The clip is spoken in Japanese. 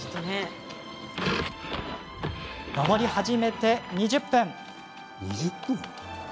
登り始めて２０分。